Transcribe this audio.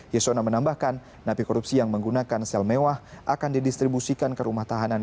yasona menambahkan napi korupsi yang menggunakan sel mewah akan didistribusikan ke rumah tahanan